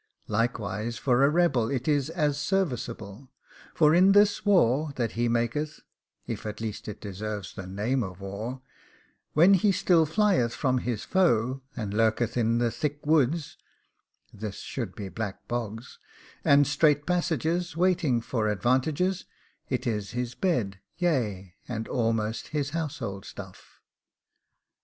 Likewise for a rebel it is as serviceable; for in this war that he maketh (if at least it deserves the name of war), when he still flieth from his foe, and lurketh in the THICK WOODS (this should be BLACK BOGS) and straight passages, waiting for advantages, it is his bed, yea, and almost his household stuff.